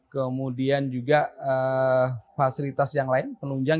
kemudian juga fasilitas yang lain penunjang